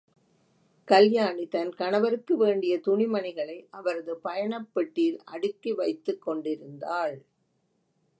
கல்யாணி தன் கணவருக்கு வேண்டிய துணிமணிகளை அவரது பயனப் பெட்டியில் அடுக்கி வைத்துக் கொண்டிருந்தாள்.